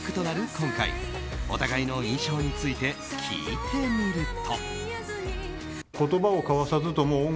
今回お互いの印象について聞いてみると。